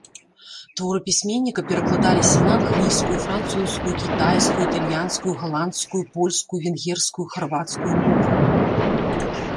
Творы пісьменніка перакладаліся на англійскую, французскую, кітайскую, італьянскую, галандскую, польскую, венгерскую, харвацкую мовы.